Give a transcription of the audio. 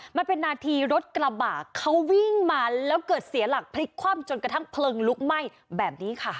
มันเป็นนาทีรถกระบะเขาวิ่งมาแล้วเกิดเสียหลักพลิกคว่ำจนกระทั่งเพลิงลุกไหม้แบบนี้ค่ะ